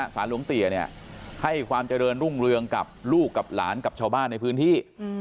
สารหลวงเตี๋ยเนี่ยให้ความเจริญรุ่งเรืองกับลูกกับหลานกับชาวบ้านในพื้นที่